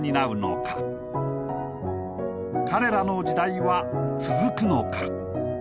彼らの時代は続くのか。